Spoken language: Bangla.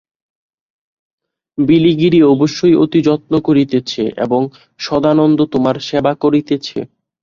বিলিগিরি অবশ্যই অতি যত্ন করিতেছে এবং সদানন্দ তোমার সেবা করিতেছে।